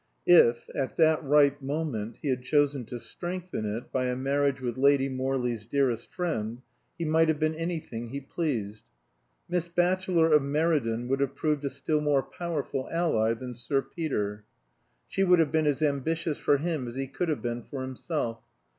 If at that ripe moment he had chosen to strengthen it by a marriage with Lady Morley's dearest friend, he might have been anything he pleased. Miss Batchelor of Meriden would have proved a still more powerful ally than Sir Peter. She would have been as ambitious for him as he could have been for himself.